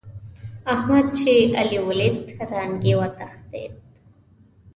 احمد چې علي وليد؛ رنګ يې وتښتېد.